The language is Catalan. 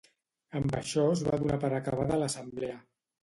Amb això es va donar per acabada l'assemblea.